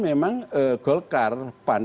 memang golkar pan